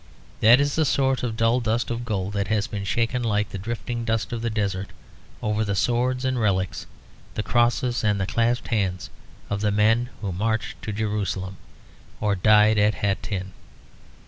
That is the sort of dull dust of gold that has been shaken like the drifting dust of the desert over the swords and the relics, the crosses and the clasped hands of the men who marched to Jerusalem or died at Hattin.